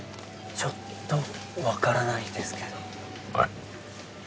ちょっと分からないですけどおい